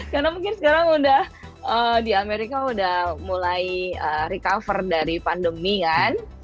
karena mungkin sekarang udah di amerika udah mulai recover dari pandemi kan